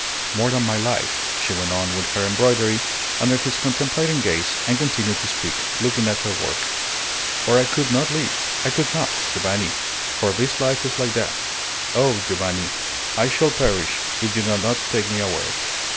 "More than my life." She went on with her embroidery under his contemplating gaze and continued to speak, looking at her work, "Or I could not live. I could not, Giovanni. For this life is like death. Oh, Giovanni, I shall perish if you do not take me away."